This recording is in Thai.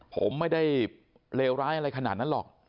ผมไม่ได้เลวร้ายอะไรขนาดนั้นหรอก